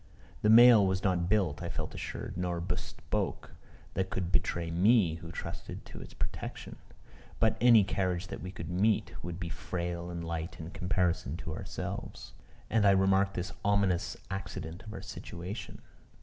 The mail was not built, I felt assured, nor bespoke, that could betray me who trusted to its protection. But any carriage that we could meet would be frail and light in comparison of ourselves. And I remarked this ominous accident of our situation.